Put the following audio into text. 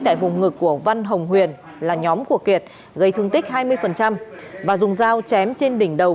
tại vùng ngực của văn hồng huyền là nhóm của kiệt gây thương tích hai mươi và dùng dao chém trên đỉnh đầu